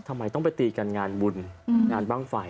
ทำไมต้องไปตีกันงานบุญงานบ้างไฟ